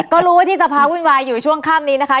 ก็รู้ว่าที่สภาวุ่นวายอยู่ช่วงข้ามนี้นะคะ